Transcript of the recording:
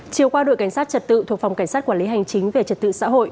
chiều qua đội cảnh sát trật tự thuộc phòng cảnh sát quản lý hành chính về trật tự xã hội